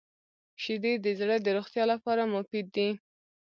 • شیدې د زړه د روغتیا لپاره مفید دي.